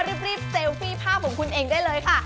รีบเซลฟี่ภาพของคุณเองได้เลยค่ะ